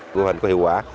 mô hình có hiệu quả